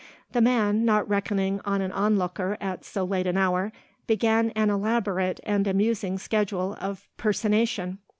The man, not reckoning on an onlooker at so late an hour, began an elaborate and amusing schedule of personation.